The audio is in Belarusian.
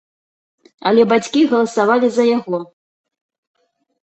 Але бацькі галасавалі за яго.